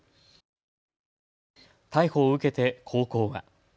逮捕を受けて高校は。